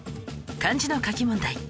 漢字の書き問題